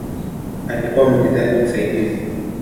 Alikuwa mwigizaji msaidizi.